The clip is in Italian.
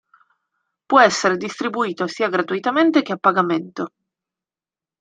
Può essere distribuito sia gratuitamente che a pagamento.